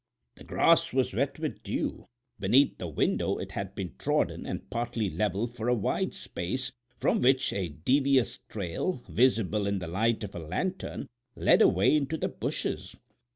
The grass was wet with dew; beneath the window it had been trodden and partly leveled for a wide space, from which a devious trail, visible in the light of a lantern, led away into the bushes.